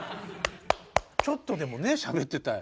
ちょっとでもねしゃべってたい。